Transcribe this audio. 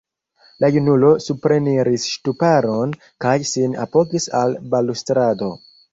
La junulo supreniris ŝtuparon, kaj sin apogis al balustrado.